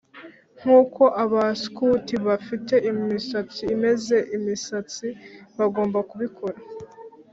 nkuko abaskuti bafite imisatsi imeze imisatsi bagomba kubikora;